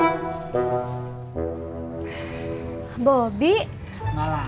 udah makasih aja